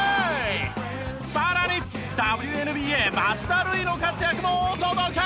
さらにＷＮＢＡ町田瑠唯の活躍もお届け！